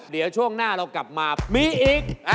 เดี๋ยวช่วงหน้าเรากลับมามีอีก